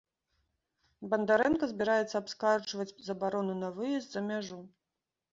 Бандарэнка збіраецца абскарджваць забарону на выезд за мяжу.